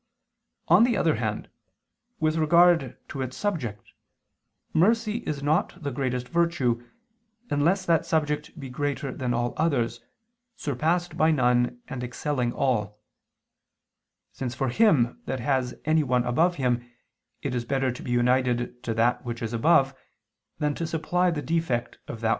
On the other hand, with regard to its subject, mercy is not the greatest virtue, unless that subject be greater than all others, surpassed by none and excelling all: since for him that has anyone above him it is better to be united to that which is above than to supply the defect of that which is beneath.